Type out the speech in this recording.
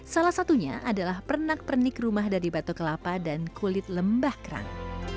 salah satunya adalah pernak pernik rumah dari batu kelapa dan kulit lembah kerang